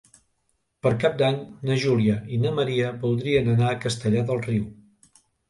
Per Cap d'Any na Júlia i na Maria voldrien anar a Castellar del Riu.